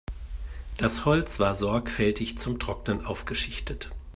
Das Holz war sorgfältig zum Trocknen aufgeschichtet.